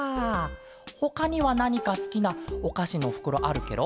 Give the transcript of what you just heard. ほかにはなにかすきなおかしのふくろあるケロ？